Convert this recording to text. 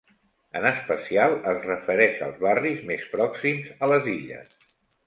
En especial es refereix als barris més pròxims a les illes.